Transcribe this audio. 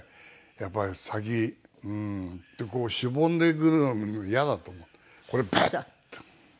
やっぱり先うーんってこうしぼんでくるのもイヤだと思ってここでバッと。